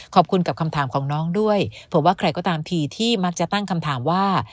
ขอบคุณกับคำถามของน้องด้วยเผื่อว่าใครก็ตามทีที่มักจะตั้งคำถามว่า